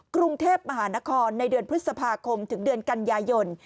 กรุงเทพมหานครในเดือนพฤษภาคมถึงเดือนกันยายน